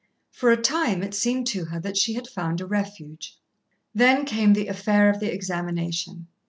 For a time, it seemed to her that she had found a refuge. Then came the affair of the examination.